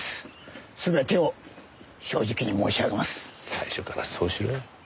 最初からそうしろよ。